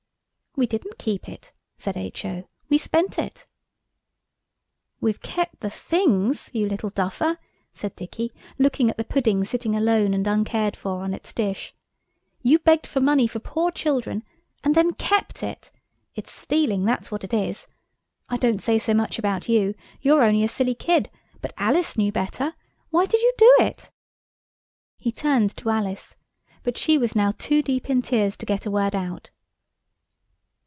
"We didn't keep it," said H.O., "we spent it." "We've kept the things, you little duffer!" said Dicky, looking at the pudding sitting alone and uncared for on its dish. "You begged for money for poor children, and then kept it. It's stealing, that's what it is. I don't say so much about you–you're only a silly kid–but Alice knew better. Why did you do it?" He turned to Alice, but she was now too deep in tears to get a word out.